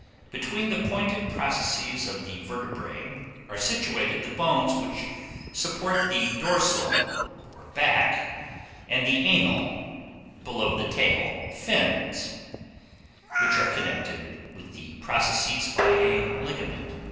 Between the pointed processes of the vertebrae are situated the bones which support the dorsal (back) and the anal (below the tail) fins, which are connected with the processes by a ligament.